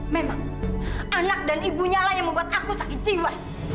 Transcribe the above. memang anak dan ibunya lah yang membuat aku sakit jiwa